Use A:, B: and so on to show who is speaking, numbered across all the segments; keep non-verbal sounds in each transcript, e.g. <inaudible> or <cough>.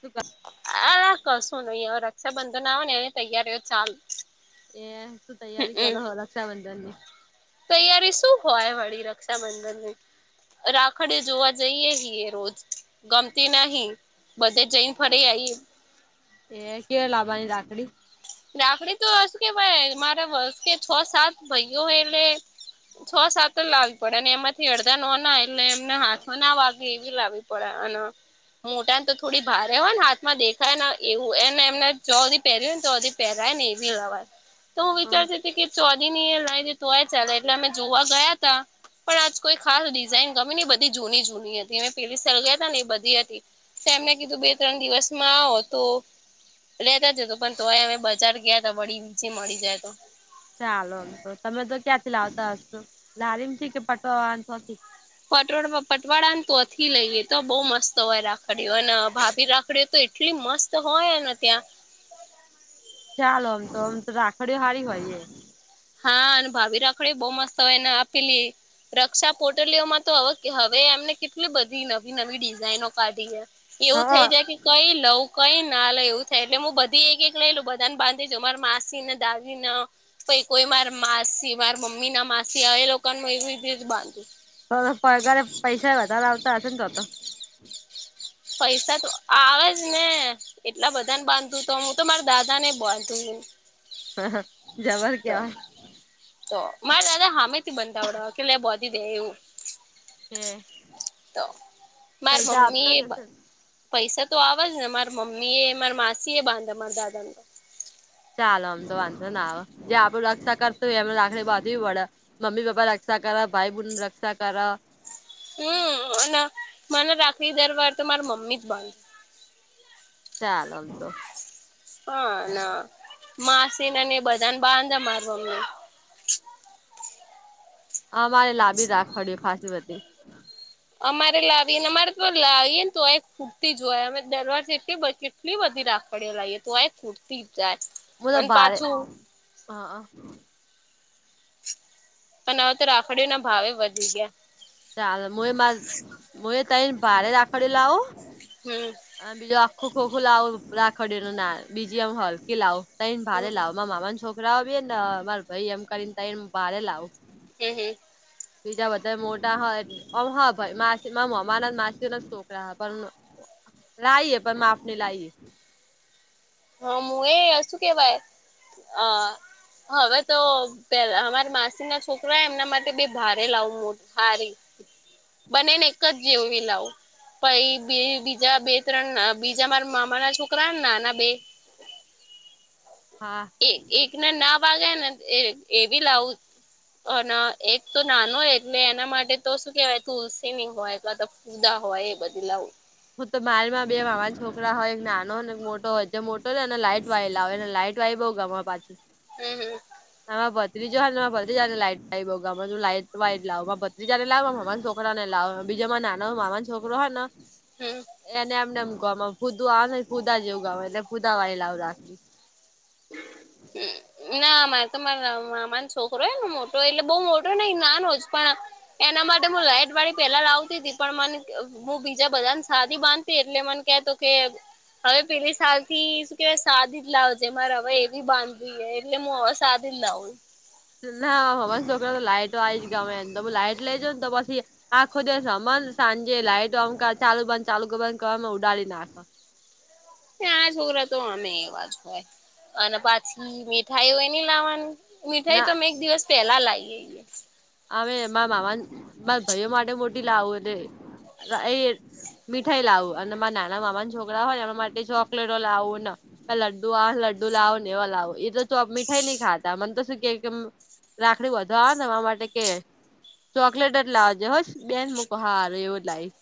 A: શું
B: અલા કશું નઈ અવે રક્ષાબંધન આવે ને એની તૈયારીઓ ચાલુ.
A: એ શું તૈયારી
B: હમમ
A: કરોહો રક્ષાબંધન ની.
B: તૈયારી શું હોય વળી રક્ષાબંધનની. રાખડીયો જોવા જઈએ હીએ રોજ ગમતી નહી. બધે જઈન ફરી આઈએ.
A: એ કે લાવાની રાખડી.
B: રાખડીતો અ શું કેવાય મારા વસે છો સાત ભઈઓ હે એટલે. છો સાત તો લાવવી પડે અને એમાંથી અડધા નોના એટલે એમને હાથમાં ના વાગે એવી લાવી પડે અને મોટા ને તો થોડી ભારે હોયન હાથમાં દેખાય ન એવું એને એમને જોહુધી પેરવી હોયન તોહધી પેરાયન એવી લેવાય તો હું
A: આમ
B: વિચારતી ચોદી નીય લાઈદી તોય ચાલે એટલે અમે જોવા ગયા હતા. પણ આજ કોઈ ખાસ ડિઝાઇન ગમે ને એ બધી જૂની જૂની હતી અમે પેલી સાલ ગયાતા ને એ બધી હતી. તો એમને કીધું બે ત્રણ દિવસમાં આવો તો લેતા જજો પણ તોય અમે બજ જાર ગ્યાતા વળી બીજી મળી જાય તો.
A: ચાલ અમ તો તમે તો ક્યાંથી લાવતા હસો લારીમ થી કે પટોઆન તોથી.
B: પટોળ પટવાળાન તોથી લઈએ તો બઉ મસ્ત હોય રાખડીઓ અન ભાભી રાખડી તો એટલી મસ્ત હોયને ત્યાં.
A: ચાલો ઓમ તો ઓમ તો રાખડીઓ હારી હોય એ.
B: હા અને ભાવી રાખડીઓ બઉ મસ્ત હોયન અ આપેલી રક્ષા પોટલીઓમાં તો અવ હવે એમને કેટલી બધી નવી નવી ડિઝઇનો કાઢી હે. એવું થઈ
A: હા
B: જાય કે કઈ લઉ કઈ ના લઉ એવું થાય એટલે મું બધી એક એક લઈલવ બધાને બાંધ એજ અમાર માસી ન દાદી ન પઈ કોઈ માર માસી માર મમ્મી ના માસી એ લોકોનું એવીથી જ બાંધું.
A: તોનો પગારે પૈસા વધાર આવતા હશે ને તો તો.
B: <inaudible> પૈસા તો આવે જ ને એટલા બધાને બાંધું તો મુ તો મારા દાદા ને બોંધ હો
A: જબર
B: તો
A: કેવાય
B: તો માર દાદા હામે થી બંધાવડાવે કે લે બોંધી દે એવું.
A: તે
B: તો માર
A: આપતા
B: મમ્મી
A: જ હશે
B: પૈસા તો આવજ ને માર મમ્મી એ માર માસી એ બાંધે મારા દાદા ન તો
A: ચાલ આમ તો વાંધો ના આવ જે આપડું રક્ષા કરતું હોય એમને રાખડી બાંધવી પડ મમ્મી પપ્પા રક્ષા કર ભાઈ બુન રક્ષા કર
B: હમ અને મને રાખડી દર વર્ષે તો માર મમ્મી જ બાંધે
A: ચાલ આમ તો
B: હા ના માસીનેને બધાને બાંધે માર મમ્મી
A: અ મારે લાબી રાખડી ખાસી બધી
B: <unintelligible> અમારે લાવીએને અમારે તો લાવીએ ને તો ખૂટતી જ હોય અમે દરવખત એટલ બધી કેટલી બધી રાાખડીઓ લાઈએ તોઇ ખૂટતી જાય. અને પાછું
A: <unintelligible> હા
B: પણ હવે તો રાખડીઓ ના ભાવે વધશે
A: ચાલ મુ મારી તઈ ભારે રાખડી લાવું
B: હમ.
A: બીજું આખું ખોખું લાવું રાખડી ઓનું ના બીજી આ હલકી લાવું તણ ભારે
B: હમ
A: લાવું મારા મામા ના છોકરા બ ને માર ભાઈ એમ કરીને તણ ભારે લાવું
B: હમ હમ
A: બીજા બધા મો <unintelligible> હા ભાઈ મા મમા ના માસી ના છોકરા હ પણ લાઈએ પણ માપ ની લાઈએ
B: હા હું એ શું કેવાય હ હવે તો પે અમારા માસી ના છોકરા એમના માટે બે ભારે લાવું મોટ સારી બનેને એક જ જેવવી લાવું પહી બે બીજા બે ત્રણ બીજા મારા મામા ના છોકરાને નાના બે
A: હા
B: એક ના ના બાગે ને એ બી લાવું અને એક તો નાનોય એટલે એના માટે તો શું કેહેવાય તુલસી ની હોય કાતો હુદા હોય એ બધી લાવું
A: હું તો મારે એ બે માર મામા ના છોકરા હોય એક નાનો ને એક મોટો હોય જે મોટો લાઈટ વાળી લાવેને લાઈટ વાળી બહું ગમે પાછી
B: હમ હમ
A: હ ભત્રીજો જો હન બધી જાત ની લાઈટ થાઈ લાઈટ વાળી જ લાવું. બીજાને લાવ મામાન છોકરા ને લાવ બીજામાં નાનો મામાન છોકરો હો ને
B: હમ
A: એને એમન એમ એમ ગમ ફુુંદુ આવ ફુદા જેવું ગમે એટલે ફુદા વાળી લાવું રાખડી
B: હમ ના મારે તો મારા મામા છોકરો હો મોટો એટલે બઉુ મોટો ને નાનો જ પણ એના માટે હું લાઈટ વાળી પેલા લાવતી હતી પણ મને હું બીજા બધાને સાદી બાંધુ એટલે મને કેતો કે હવે પેલી સાલ થી શું કેવાય સાદી જ લાવ છે મારે હવે બાંધી એટલે હું હવે સાદી જ લાગુ
A: ના અમારા છોકરા તો લાઈટ વાળી જ ગમે એન તો લાઈટ લઈ જવ ન તો પછી આખો દિવસ હમ સાંજે લાઈટ અમ ચાલુ બંધ ચાલુ કર ઉડાડી નાખે
B: આ છોકરા તો અમે એવા જ હોય અને પછી મીઠાઈ એ ન લાવવાની મીઠાઈ
A: ના
B: તો અમે એક દિવસ પેલા લાઈએ
A: અમે માર મામા મારા ભાઈઓ માટે મોટી લાવું એ મીઠાઈ લાવું અને માર નાના મામા ના છોકરા હોય એના માટે ચોકલેટો લાવું ને લડું આવ લડું લાવો ને એવા લાવો એ તો ચો મીઠાઈ નહી ખાતા મને તો શું કે રાખડી બાંધવા આવે નેતો અમાર માટે કે ચોકલેટ જ લાવજે હો બેને મુક હાર એવું જ લાવીશ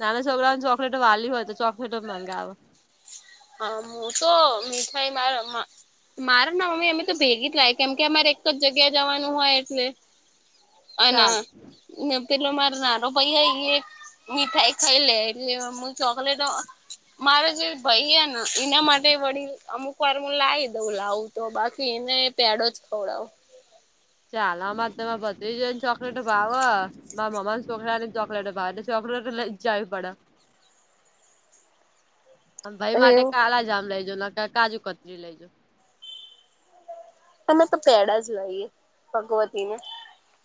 A: નાના છોકરાઓને ચોકલેટ વાલી હોય તો ચોકલેટ ગ આવે
B: હા હું તો મીઠાઈ માર મારે ના મમ્મી અમે તો ભેગી જ લાય કેમ કે અમારે એક જ જગ્યા જવાનું હોય એટલે
A: ચાલ
B: અને પેલો મારો નાનો ભાઈ હ મીઠાઈ ખાઈ લે એટલે હું ચોકલેટ મારો જે ભાઈ હ ને હા એના માટે વળી અમુક વાર હું લાવી દઉં લાવું તો બાકી એને પેડો જ ખવડાવું.
A: ચાલા મા ભત્રીજની ચોકલેટ બાાવવા મા મમ્મને ચોકલેટ અને ચોક બાર ચોકલેટ લ જાઈ પડા મ ભાઈ માટે
B: એવું
A: કાળા જામ લઈજો ન ક કાજુ કતરી લઈજો.
B: તમે તો પેડા જ લઈએ ભગવતી ને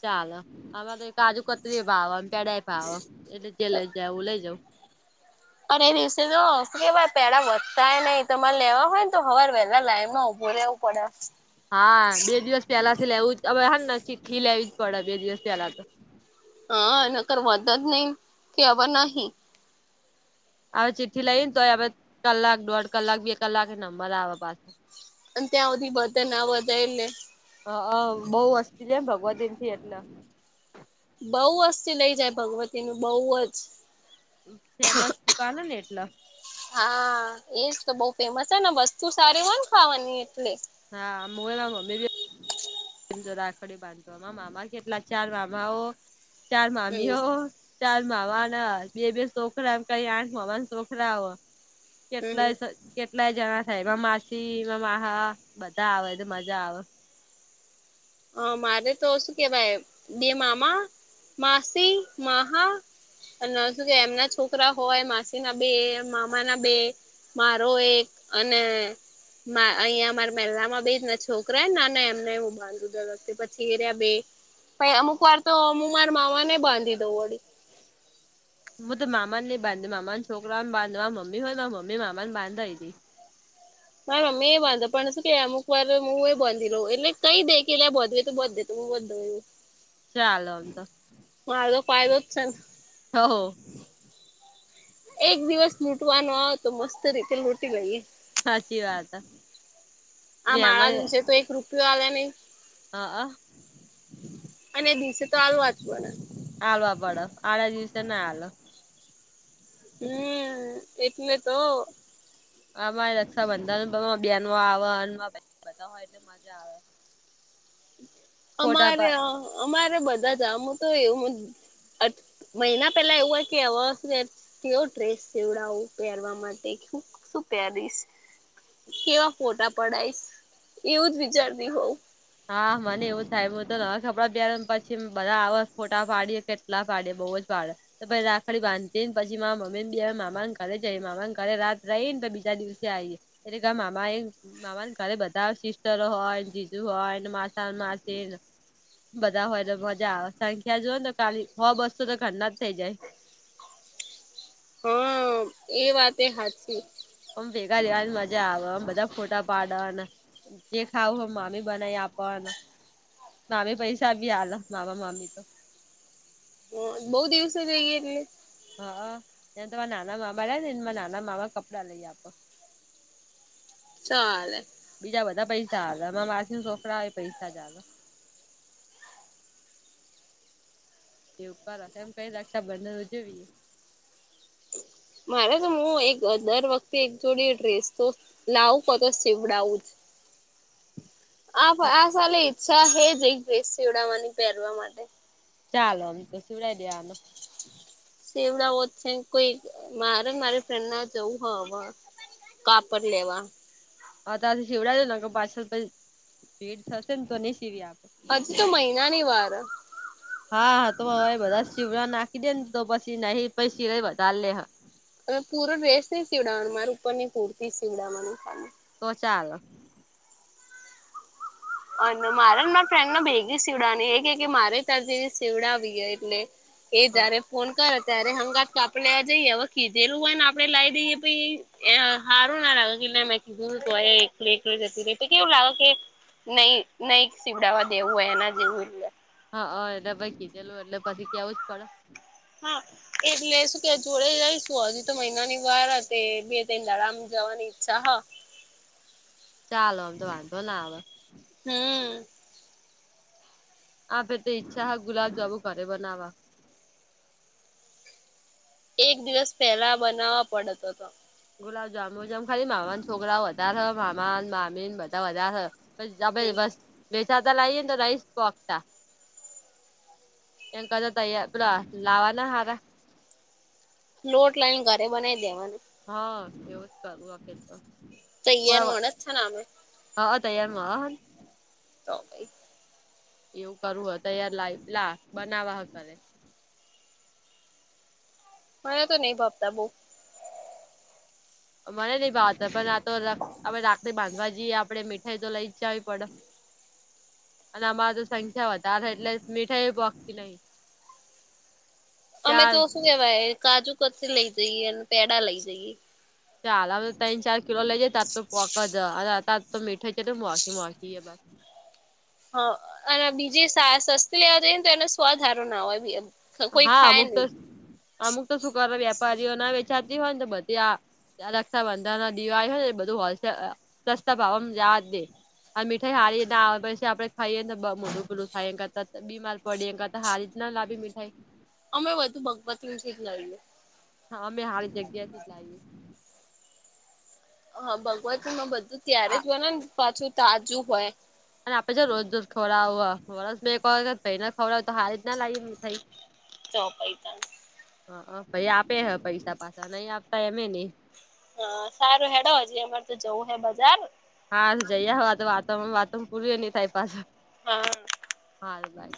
A: ચાલો આરે તો કાજુ કતરી એ ભાવ પેડા એ ભાવ એટલે જે લઈ જું લઈ જાઉ.
B: અ એ દિવસે તો આવશે કે ભાઈ પેડા વધતા નહી તમારે લેવા હોય ને તો હવાર વહેલા લાઈન માં ઉઊભો રહેવું. પડા
A: હા બે દિવસ પેલાથી લેવું જ હવે હ ચિઠ્ઠી લેવી જ પડે બે દિવસ પેલા તો
B: હા એ કરર વધ જ નહી કે હવા નહી.
A: હવે ચિઠ્ઠી લઈ ને તોય હવે કલાક દોઢ કલાક બે કલાક નંબર આવે પાસે
B: અને ત્યાં સુધી બધન ના બધા એટલે
A: હ બહુ વસ્તી એમ ભગવત દન થીટના
B: બઉુ વસ્થી લઇ જાય ભગવતી ન બઉ જ
A: ફેમસ દુકાન હ ને એટલે
B: હા એજ તો બહ ફેમસ છે ને વસ્તુ સારી હો ખાવાની એટલે
A: હા મો તો મ્મી જો રાખડી બાંધો મામા કેટલા ચાર મામા ઓ ચાર મામીઓ
B: હમ
A: ચાર મામાન બે બે છોકરા કઈ આઠ મામા ના છોકરા
B: હમ
A: કેટલાય કેટલાય જણા થાય એમાં માસી એમાં માા બધા આવે મજા આવે.
B: હ મારે તો શું કેવાય બે મામા માસી માહા શું કે એમના છોકરા હોય માસી ના બે મામા ના બે મારો એક અને અહંયા અમારે મેહેલામાં બે જ ના છોકરા નાના એમને એવું બાંધ પછી એર્યા બે પ અમુક વાર તો અમુક માર માવા ને બાંધી દઉં વળી
A: હું તો મામા નહીઈ બાંધી મામા છોકરા બાંધો મા મમ્ી હોય મારા મમ મામાને બાંધાઈ હતી.
B: હા મમ્ી એ વાંધો પણને શું કે અમુક વાર હું એ બાંધી લઉં એટલે કઈ દે કે્યા બંધ તો બે ત બંધ એ
A: ચાલો આમ તો
B: મારોગ ફાયદો છને
A: હો
B: એક દિવસ લૂંટવાનો હો તો મસ્ત રીતે લૂંટી લઈએ.
A: સાચી વાત હ
B: આ માળ દિવસે તો એક રૂપિયો આવે નહી.
A: હા હ
B: અને એ દિવસે તો આાલું વાચવ
A: હલવા પડો આળ્યા દિવસે ના આલ.
B: હમ એટલે તો
A: આરે રક્ષાબંધન બન આવે બા હોય એટલે આવે. ફોટા
B: અમારે
A: પા
B: અમારે બધા જામ તો એવું. મહિના પેલા એવું હોય કે હ તેઓ ડ્રેસ સેવડાવું પહેરવા માટે શું પહેરીશ. કેવા ફોટા પડાયશ એવું જ વિચારતી હોઉ.
A: હા, મને એવું થાય હું તો નવા કપડાં પછી બધા આવ ફોટા પાડીય. કેટલા પાડ્યા બહુ જ પાડે. તો પછી રાખડી બાંધીને પી. એમ. મમ્મી ને બે મામાને ઘરે જઈ. મામાને ઘરે રાત રહીએ ને બીજા દિવસે આવીએ. એટલે કે, આ મામા એ મામા ના ઘરે બધા સિસ્ટરો હોય. હોય, માસ-માસી. બધા હોય તો મજા સંખ્યા. જો ને કાલી હો બસ તો ઘરના જ થઈ જાય.
B: હા, એ વાતે હાચી.
A: અમ ભેગા દેવાની મજા આવે, અમે બધા ફોટા પાડતા. જે ખાવું હોય, મામી બનાવી આપતા. મામી પૈસા બી આલ, મામા-મામી.
B: હ બહુ દિવસે ગઈ હે.
A: હા, ત્યાં તો નાના મામા લ્યા ને નાના મામા કપડાં લઈ આપો.
B: ચાલે
A: બીજા બધા પૈસા આલે. મારા માસી છોકરા પૈસા જ આપે. એવું કરા એમ રક્ષાબંધન કે ઉજવીએ.
B: મારે તો હું એક દર વખતે એક જોડી ડ્રેસ. લાવું, મગરસીવડાવું. આ આ સાલે ઈચ્છા હે જ ન ઈ સીવડાવવાની, પહેરવા માટે.
A: ચાલો, આમ તો શીવડાઈ દેવાનો.
B: શીવડાવો જ છે, કોઈ મારે મારી ફ્રેન્ડ ના જવું હ હવે. કાપડ લેવા.
A: હ, અત્યારેથી સીવડજો. ન કરે પાછો, પછી ભીડ થશે ને તો નહીં સીવી આપે.
B: હજુ તો મહિનાની વાર.
A: હા, હા, તો હવે બધા સીવડાવવા નાખી દે ને. તો પછી નહીં, પછી સિલાઈ વધારે લે.
B: હ, પૂરો ડ્રેસ નહી સીવડાવવાનો, મારે ઉપર ની પૂરતી સીવડાવવાનું.
A: તો ચાલે.
B: અને મારેને મારા ફ્રેન્ડ ભેગી સીવડાવાની. એક કે મારે ત્યાંથી જે સીવડાવીએ એટલે. એ જયારે ફોન કરે. ત્યારે હમંગાત આપડણે આ જઈએ. હવે કીધેલું હોય ને, આપણે લાવી દઈએ પ એ સારું ના લાગે કે મેં કીધું તો એકલી એકલે જતી રહી, તો કેવું લાગે કે? નહીં, નહીં. સીવવડાવવા દેવું હોય એના જેવું એ.
A: હા, હ. એને ભાઈ કીધેલું, એને પછી કેવું જ પડે.
B: હા. એટલે કે, જોડે જઈશું. હજી તો મહિના ની વાર હતી. કરાવવાની કે જવાની ઈચ્છા હ. હ.
A: ચાલો, તો વાંધો ના આવે.
B: હમ.
A: આપે તો ઈચ્છા હ ગુલાબ જાંબુ ઘરે બધા
B: એક દિવસ પહેલા બનાવવા પડે તો.
A: ગુલાબ જામુ જેમ, ખાલી મામા ના છોકરાઓ વધારે મામા- મામીન બધા વધારે થ પછી
B: હમ
A: બસ બેેચાતા લાવી એને, તો રહી શકતા. એ ક તૈયાર પેલા લાવાના હારા.
B: લોટ લાવીને ઘરે બનાઈ દેવાનું.
A: હા, એવું જ કરું, આપેલ તો.
B: તૈયાર
A: થોડા વાર,
B: મળે જ છે ને અમે
A: હા. તૈયારમાં હ.
B: તો ભાઈ.
A: એવું કરવું હોય, તૈયાર લાવી લો. બનાવા હા, કરે.
B: મને તો નહીં ભવતા બહુ.
A: મને નહી ભાવે તો, પણ આ તો રાખડીથી બાંધવા જઈએ આપડણે મીઠાઈ તો લઈ ચાવી પડે, અને અમારે તો સંખ્યા વધારે એટલે મીઠાઈ એ ભોખતી.
B: અમે તો, શું કેવાય, કાજુ કતરી લઈ જઈએ અને પેડા લઈ જઈએ.
A: ચ આલ તો તન ચાર કિલો લઈ જાય તાર તો પકા દ ત તો મીઠા છે તો મકી મકી જ
B: હા અને બીજી સસ્તી લેવા જઈ ને તો એનો સ્વધારો ના હોય. કોઈ
A: હા,
B: ખાય
A: અમુક તો
B: નહી
A: અમુક તો સુકારા વેપારીઓ ના વેચાતી હોય ને, બધી આ રક્ષાબંધન, દિવાળી ને બધું હોલ સસ્તા ભાવે જવા દે. આ મીઠાઈ હારી એને આવે, પછી આપડે ખાઈએ ને મોઢુ પેલું થાય, એ કરતા બીમાર પડી કા તો? હા રી જ ન લાગે મીઠાઈ
B: અમે વધુ ભગવતીંશ જ લઈએ
A: હા અમે હારી જગ્યા થી લાવી
B: હા ભગવત માં બધું ત્યારે
A: આ
B: જ બને ને પાછું તાજું હોય
A: અને આપડ જો રોજ રોજ ખવડાવ વર મેં એક વખત ભાઈ ના ખવડાવ તો હારી રીત ના લી મ થાઈ
B: ચો પૈ ત <unintelligible>
A: હ ભાઈ આપે હ પૈસા પાછા નહી આપતા એમે નહ
B: હા સારું હેડો હજી અમાર તો જવું હે બજાર
A: હા જઈયા હો આ તો વાતાવરણ વાતવણ પૂરું ન થાય પાછ
B: હા
A: હા ભાઈ